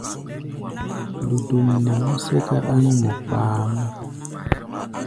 Dodom nɛ mɛ́ sɛ́ká ɗáŋmɔ kpaáʼm.